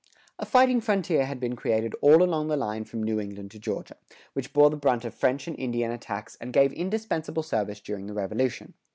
A fighting frontier had been created all along the line from New England to Georgia, which bore the brunt of French and Indian attacks and gave indispensable service during the Revolution.